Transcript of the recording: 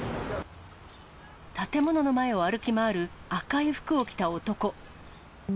建物の前を歩き回る赤い服を着た男。